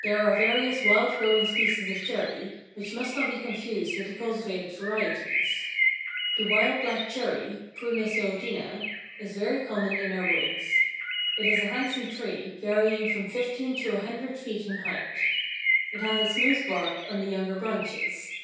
There are various wild growing species of cherry, which must not be confused with the cultivated varieties. The wild black cherry (Prunus serotina) is very common in our woods. It is a handsome tree, varying from 15 to 100 feet in height. It has a smooth bark on the younger branches.